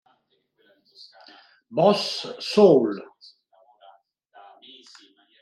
Boss Soul!